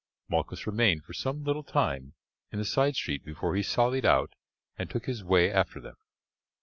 Malchus remained for some little time in the side street before he sallied out and took his way after them.